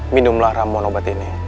minumlah ramuan obat ini